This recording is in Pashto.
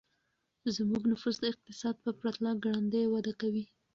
زموږ نفوس د اقتصاد په پرتله ګړندی وده کوي.